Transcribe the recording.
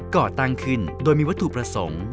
ก่อตั้งขึ้นโดยมีวัตถุประสงค์